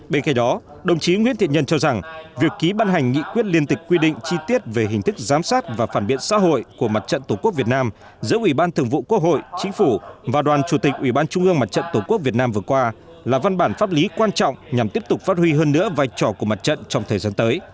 bên cạnh đó đồng chí nguyễn thiện nhân cho rằng việc ký ban hành nghị quyết liên tịch quy định chi tiết về hình thức giám sát và phản biện xã hội của mặt trận tổ quốc việt nam giữa ủy ban thường vụ quốc hội chính phủ và đoàn chủ tịch ủy ban trung ương mặt trận tổ quốc việt nam vừa qua là văn bản pháp lý quan trọng nhằm tiếp tục phát huy hơn nữa vai trò của mặt trận trong thời gian tới